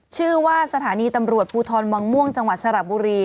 ชื่อว่าสถานีตำรวจภูทรวังม่วงจังหวัดสระบุรี